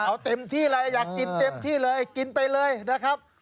เอาเต็มที่เลยอยากกินเต็มที่เลยกินไปเลยนะครับ